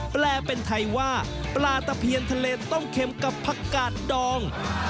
แปลเป็นไทยว่าปลาตะเพียนทะเลต้องเค็มกับผักกาดดอง